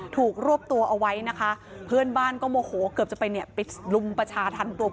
ถูกรวบตัวเอาไว้นะคะ